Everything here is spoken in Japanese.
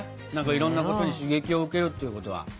いろんなことに刺激を受けるっていうことは。